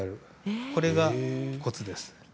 これがコツです。